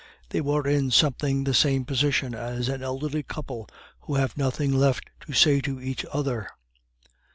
They were in something the same position as an elderly couple who have nothing left to say to each other.